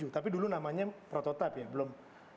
tapi dulu namanya prototipe ya belum